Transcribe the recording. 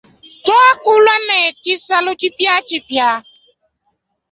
Tuakulwa ne tshisalu tshipiatshipia.